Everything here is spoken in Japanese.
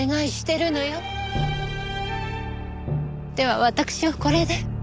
では私はこれで。